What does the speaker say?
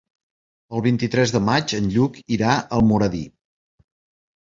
El vint-i-tres de maig en Lluc irà a Almoradí.